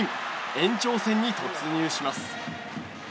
延長戦に突入します。